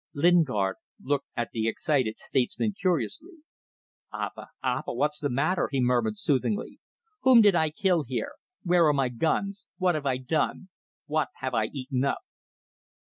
Lingard looked at the excited statesman curiously. "Apa! Apa! What's the matter?" he murmured, soothingly. "Whom did I kill here? Where are my guns? What have I done? What have I eaten up?"